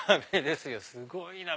すごいなぁ！